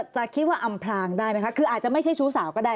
จะคิดว่าอำพลางได้ไหมคะคืออาจจะไม่ใช่ชู้สาวก็ได้